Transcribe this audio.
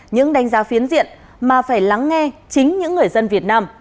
những đánh giá phiến diện mà phải lắng nghe chính những người dân việt nam